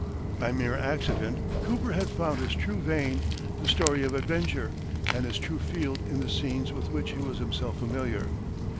By mere accident, Cooper had found his true vein, the story of adventure, and his true field in the scenes with which he was himself familiar.